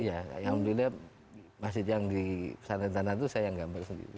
ya alhamdulillah masjid yang di pesantren sana itu saya yang gambar sendiri